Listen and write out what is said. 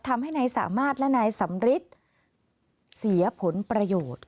ทำให้นายสามารถและนายสำริทเสียผลประโยชน์